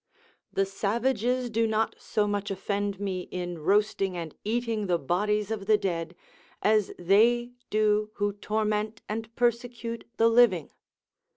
The savages do not so much offend me, in roasting and eating the bodies of the dead, as they do who torment and persecute the living.